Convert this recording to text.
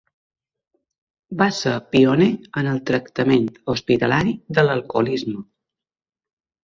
Va ser pioner en el tractament hospitalari de l'alcoholisme.